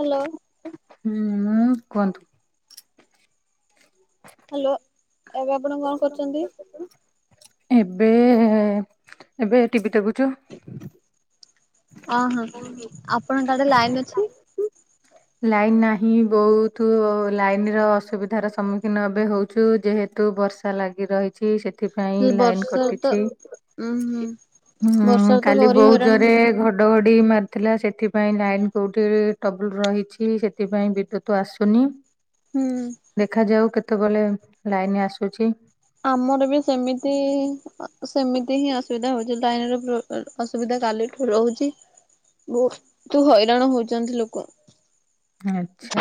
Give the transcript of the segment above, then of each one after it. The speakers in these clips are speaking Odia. ହ୍ୟାଲୋ। ହୁଁ କୁହନ୍ତୁ। ହ୍ୟାଲୋ ଏବେ ଆପଣ କଣ କରୁଛନ୍ତି? ଏବେ ଏବେ ଟିଭି ଦେଖୁଛୁ। ଅ ହୋ ଆପଣଙ୍କ ଆଡେ ଲାଇନ ଅଛି? ଲାଇନ ନାହିଁ ବହୁତ ଲାଇନ ର ଅସୁବିଧାର ସମ୍ମୁଖୀନ ଏବେ ହେଉଛୁ ଯେହେତୁ ବର୍ଷା ଲାଗି ରହିଛି ସେ ଏଥିପାଇଁ ଲାଇନ ବର୍ଷା ତ କଟିଛି ଉୁଁ ହୁଁ ହଁ ବର୍ଷାରେ ତ କାଲି ଭାରି ବୋହୁ ହଇରାଣ ଜରେ ହଉଚୁ ଘଡଘଡି ମାରିଥିଲା ସେଥିପାଇଁ ଲାଇନ କୋଉଠି ଟ୍ରବୁଲ ରହିଛି ସେଥିପାଇଁ ବିଦ୍ୟୁତ ଆସୁନି ହୁଁ। ଦେଖାଯାଉ କେତେବେଳେ ଲାଇନ ଆସୁଛି। ଆମର ବି ସେମିତି ସେମିତି ହିଁ ଅସୁବିଧା ହଉଛି ଲାଇନ ର ଅସୁବିଧା କାଲିଠୁ ରହୁଛି ବହୁତୁ ହଇରାଣ ହଉଛନ୍ତି ଲୋକ ଆଛା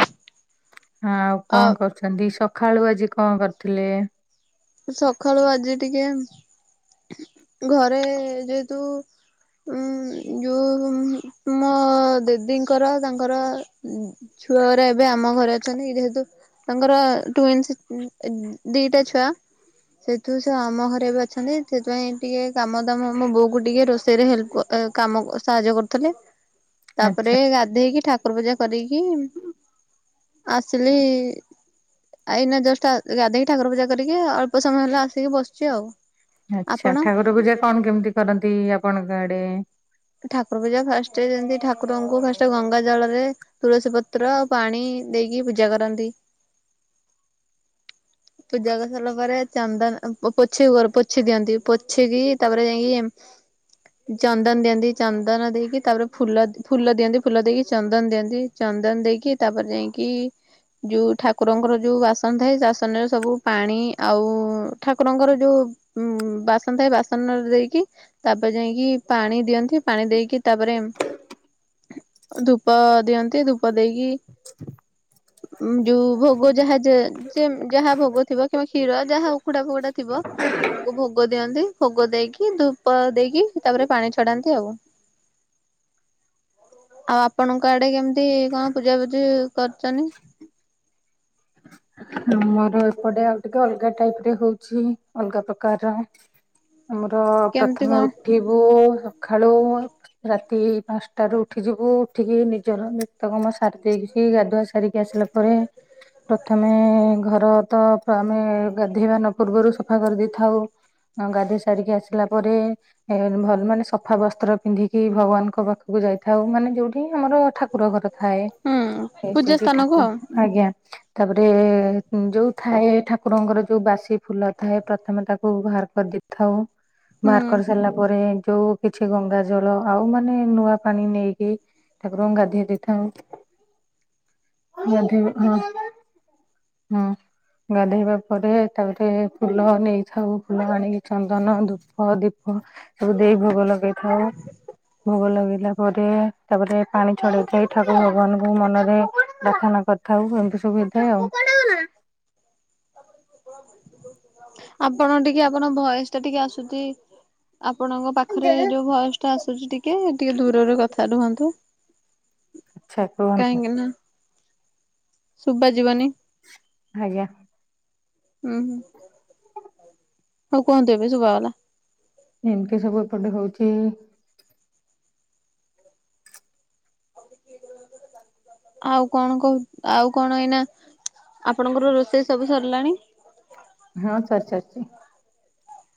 ଆଉ ଆ କଣ କରୁଛନ୍ତି ସ ଖାଳୁ ଆଜି କଣ କରିୁଥିଲେ? ସକାଳୁ ଆଜି ଟିକେ ଘରେ ଯେହେତୁ ଉ ଯୋଉ ମୋ ଦିଦିଙ୍କର ତାଙ୍କର ଛୁଆର ଏବେ ଆମ ଘରେ ଅଛନ୍ତି ଯେହେତୁ ତାଙ୍କର ଟ୍ୱିନ୍ସ ଦିଟା ଛୁଆ। ସେହେତୁ ସେ ଆମ ଘରେ ବି ଅଛନ୍ତି ସେଥିପାଇଁ ଟିକେ କାମ ଦାମ ମୋ ବୋଉ କ ଟିକେ ରୋଷେଇରେ ହେଲ୍ପ କାମ ସାହାଯ୍ୟ କରୁଥିଲେ ଆଚ୍ଛା ତାପରେ ଗାଧେଇକି ଠାକୁର ପୂଜା କରିକି ଆସିଲି ଏଇନା ଜଷ୍ଟ ଗାଧୋଇକି ଠାକୁର ପୂଜା କରିକି। ଟିକେ ଅଳ୍ପ ସମୟ ହେଲେ ଆସିକି ବସଛି ଆଉ ଆଛା ଆପଣ? ଠାକୁର ପୂଜା କଣ କେମିତି କରନ୍ତି ଆପଣଙ୍କ ଆଡେ? ଠାକୁର ପୂଜା ଫାଷ୍ଟ ଯେମିତି ଠାକୁରଙ୍କୁ ଫାଷ୍ଟ ଗଙ୍ଗା ଜଳ ରେ ତୁଳସୀ ପତ୍ର ଆଉ ପାଣି ଦେଇକି ପୂଜା କରନ୍ତି। ପୂଜା କରିସାରିଲା ପରେ ଚନ୍ଦନ ପୋଛି ପୋଛି ଦିଅନ୍ତି ପୋଛିକି ତାପରେ ଯାଇକି ହଁଁ। [inaudible] ଚନ୍ଦନ ଦିଅନ୍ତି ଚନ୍ଦନ ଦେଇକି ତାପରେ ଫୁଲ ଫୁଲ ଦିଅନ୍ତି ଫୁଲ ଦେଇକି ଚନ୍ଦନ ଦିଅନ୍ତି ଚନ୍ଦନ ଦେଇକି ତାପରେ ଯାଇକି ଯୋଉ ଠାକୁରଙ୍କର ଯୋଉ ବାସନ ଥାଏ ବାସନରେ ସବୁ ପାଣି ଆଉ ଠାକୁରଙ୍କର ଯୋଉ ବାସନ ଥାଏ ବାସନରେ ଦେଇକି। ତାପରେ ଯାଇକି ପାଣି ଦିଅନ୍ତି ପାଣି ଦେଇକି ତାପରେ ଧୂପ ଦିଅନ୍ତି ଧୂପ ଦେଇକି ଯୋଉ ଭୋଗ ଯାହା ଯେ ଯାହା ଭୋଗ ଥିବ କିମ୍ବା କ୍ଷୀର ଯାହା ଉଖୁଡ଼ା ଫୁଖୁଡା ଥିବ। ତାକୁ ଭୋଗ ଦିଅନ୍ତି ଭୋଗ ଦେଇକି ଧୂପ ଦେଇକି ତାପରେ ପାଣି ଛଡାନ୍ତି ଆଉ। ଆଉ ଆପଣଙ୍କ ଆଡେ କେମିତି କଣ ପୂଜା ପୂଜିି କରୁଛନ୍ତି? ଆମର ଏପଟେ ଆଉ ଟିକେ ଅଲଗା ଟାଇପ ରେ ହଉଛି ଅଲଗା ପ୍ରକାରର। ଆମର କେମିତି ପ୍ରଥମେ କଣ? ଉଠିବୁ। ସକାଳୁ ରାତି ପାଞ୍ଚଟାରୁ ଉଠିଯିବୁ। ଉଠିକି ନିଜର ନିତ୍ୟକମ ସାରି ଦେଇକି ଗାଧୁଆ ସାରିକି ଆସିଲା ପରେ ପ୍ରଥମେ ଆମେ ଘର ତ ଆମେ ଗାଧେଇବା ନ ପୂର୍ବରୁ ସଫା କରିଦେଇଥାଉ। ଗାଧୋଇ ସାରିକି ଆସିଲା ପରେ ଏ ଭଲ ମାନେ ସଫା ବସ୍ତ୍ର ପିନ୍ଧିକି ଭଗବାନଙ୍କ ପାଖକୁ ଯାଇଥାଉ ମାନେ ଯୋଉଠି ଆମର ଠାକୁର ଠାକୁର ଘର ଥାଏ ହୁଁ ପୂଜା ସେଠି ସ୍ଥାନକୁ ଠାକୁ ଆଉ ଆଜ୍ଞା ତାପରେ [inaudible] ଯୋଉ ଥାଏ ଠାକୁରଙ୍କର ଯୋଉ ବାସି ଫୁଲ ଥାଏ ପ୍ରଥମେ ତାକୁ ବାହାର କରିଦେଇଥାଉ। ହୁଁ ବାହାର କରି ସାରିଲା ପରେ ଯୋଉ କିଛି ଗଙ୍ଗା ଜଳ ଆଉ ମାନେ ନୂଆ ପାଣି ନେଇକି ଠାକୁରଙ୍କୁ ଗାଧେଇ ଦେଇଥାଉ। [unintelligible] ହଁ ହଁ। ଗାଧେଇବା ପରେ ତାପରେ ଫୁଲ ନେଇଥାଉ। ଫୁଲ ଆଣିକି ଚନ୍ଦନ, ଧୂପ, ଦୀ ସବୁ ଦେଇ ଭୋଗ ଲଗେଇଥାଉ। ଭୋଗ ଲଗେଇଲା ପରେ। ତାପରେ ପାଣି ଛଡ଼େଇ ଯାଇ ଠାକୁର ଭଗବାନଙ୍କୁ ମନରେ ପ୍ରାର୍ଥନା କରିଥାଉ ଏମିତି ସବୁ। [unintelligible] ଆପଣ ଟିକେ ଆପଣଙ୍କ ଭଏସ୍ ଟା ଟିକେ ଆସୁଛି। ଆପଣଙ୍କ ପାଖରେ ଯୋଉ ଆଚ୍ଛା ଭଏସ୍ ଟା ଆସୁଛି ଟିକେ ଟିକେ ଦୂରରେ କଥା ରୁହନ୍ତୁ। ଆଚ୍ଛା। କୁହନ୍ତୁ। ସୁଭାଜିବନି। ଆଜ୍ଞା। ହୁଁ ହୁଁ। ହଉ କୁହନ୍ତୁ। ଏବେ ସୁଭାଗଲା। ଏମତି ସବୁ ଏ ପଟେ ହଉଛି। ଆଉ କଣ କହୁ ଆଉ କଣ ଏଇନା। ଆପଣଙ୍କର ରୋଷେଇ ସବୁ ସରିଲାଣି? ହଁ। ସରିସାରିଛି।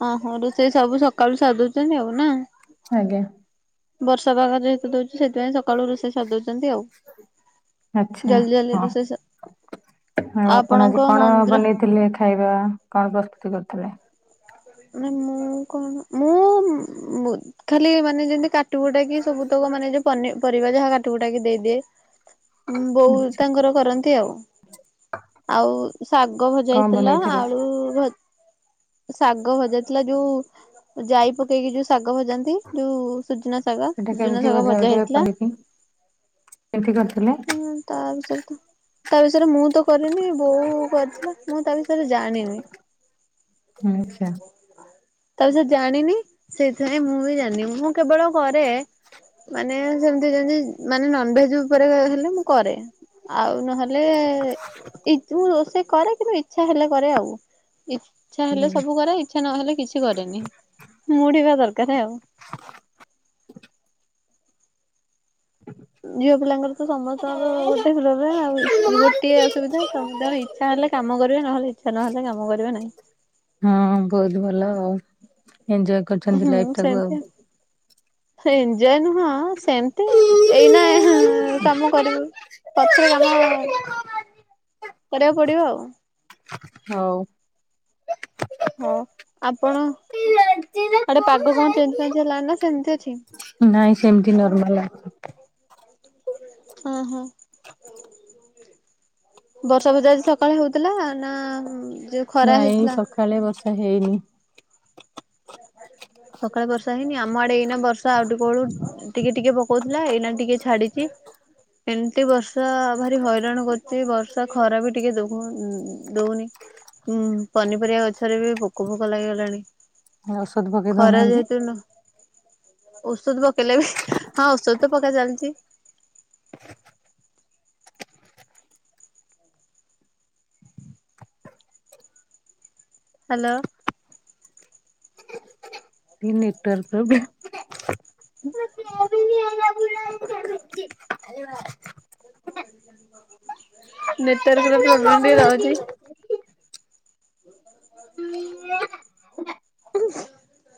ଓହୋ ରୋଷେଇ ସବୁ ସକାଳୁ ସାରିଦଉଛନ୍ତି ଆଉ। ନା? ଆଜ୍ଞା। ବର୍ଷା ପାଗ ଯେହେତୁ ଦଉଛି ସେଥିପାଇଁ ସକାଳୁ ରୋଷେଇ ସାରିଦଉଛି। ଆଚ୍ଛା ଜଲ୍ଦି ହଁ। ରୋଷେଇ ସ ଆଉ ଆପଣ ଆପଣଙ୍କ ଆଜି କଣ ମନ୍ଦିର ବନେଇଥିଲେ ଖାଇବା କଣ ପ୍ରସ୍ତୁତି କରିଥିଲେ? ନା ମୁଁ କଣ ମୁଁ ଖାଲି ମାନେ ଯେମତି କାଟିକୁଟା କିି ସବୁତକ ମାନେ ଯୋଉ ପନି ପରିବା ଯାହା କାଟିକୁଟାକି ଦେଇଦିଏ। ବୋଉ ଆଚ୍ଛା ତାଙ୍କର କରନ୍ତି ଆଉ। ଆଉ ଶାଗ ଭଜା କଣ ହେଇଥିଲା ବନେଇଥିଲେ ଆଳୁ ଭ ଶାଗ ଭଜାଥିଲା ଯୋଉ ଜାଇ ପକେଇକି ଯୋଉ ଶାଗ ଭଜାନ୍ତି ଯୋଉ। ସୁଜନା ଶାଗ ସେଟା ସୁଜନା କେମିତି ଶାଗ ଭଜା ଟିକେ ହେଇଥିଲା। କହିକି କେମିତି କରିଥିଲେ? ହଁ ତାପଛରେ ତ। ତା ବିଷୟରେ ମୁଁ ତ କରିନି ବୋଉ କରିଥିଲା ମୁଁ ତା ବିଷୟରେ ଜାଣିନି। ଆଛା। ତାବିଷରେ ସେ ଜାଣିନି ସେଇଥିପାଇଁ ମୁଁ ବି ଜାଣିନି ମୁଁ କେବଳ କରେ। ମାନେ ସେମିତି ଯେମିତି ମାନେ ନନଭେଜ ଉପରେ ହେଲେ ମୁଁ କରେ। ଆଉ ନହେଲେ ଏଇ ଯଉ ରୋଷେ କରେ କିନ୍ତୁ ଇଚ୍ଛା ହେଲେ କରେ ଆଉ। ଇଛା ହେଲେ ସବୁ କରେ ଇଚ୍ଛା ନହେଲେ କିଛି କରେନି ମୁଡ୍ ହେବା ଦରକାର। କରେ ଆଉ। ଝିଅ ପିଲାଙ୍କର ତ ସମସ୍ତଙ୍କର ଗୋଟେ ଫେରରେ ଆଉ ଗୋଟିଏ ଅସୁବିଧା ସମସ୍ତଙ୍କର ଇଚ୍ଛା ନଲେ କାମ କରିବେ ନହେଲେ ଇଚ୍ଛା ନହେଲେ କାମ କରିବ ନାହିଁ। ହଁ ବହୁତ ଭଲ ଆଉ ଏଞଜୟ କରୁଛନ୍ତି ଲାଇଫ ଟାକୁ ଆଉ। ଏଞଜୟ ନୁହଁ ସେମିତି ଏଇନା କାମ କରିବୁ। ପଛରେ କାମ କରିବାକୁ ପଡିବ ଆଉ। ହଉ। ହଁ ଆପଣ ଆଡେ ପାଗ କଣ ଚେଞ୍ଜ ଫେଞ୍ଜ ହେଲାଣି ନା ସେମିତି ଅଛି। ନାଇଁ ସେମିତି ନର୍ମାଲ। ହ ହୋ। ବର୍ଷା ଫର୍ଷା ଆଜି ସକାଳେ ହଉଥିଲା ନା। ଯୋଉ ଖରା ନାଇଁ ହେଇଥିଲା? ସକାଳେ ବର୍ଷା ହେଇନି। ହଁ [inaudible] ସକାଳେ ବର୍ଷା ହେଇନି ଆମ ଆଡେ ଏଇନା ବର୍ଷା ଆଉ ଟିକେ ବେଳୁ ଟିକେ ଟିକେ ପକଉଥିଲା ଏଇନା ଟିକେ ଛାଡିଚି। ଏମିତି ବର୍ଷା ଭାରି ହଇରାଣ କରୁଛି ବର୍ଷା ଖରା ବି ଟିକେ ଦେଖ ଦଉନି। ଉଁ ପନିପରିବା ଗଛରେ ବି ପୋକ ଫୋକ ଲାଗିଗଲାଣି। ଔଷଧ ପକେଇ ଖରା ଦଉନାହାନ୍ତି। ଯେହେତୁ ନ ଔଷଧ ପକେଇଲେ ବି ହଁ ଔଷଧ ତ ପକା ଚାଲିଚି। [inaudible] ହାଲୋ। [unintelligible] ହଁ। [inaudible] ନେଟୱରକ ପ୍ରୋବ୍ଲେମ ଟିକେ ରହୁଛି। [inaudible] [inaudible]